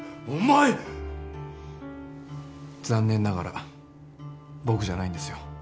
残念ながら僕じゃないんですよ。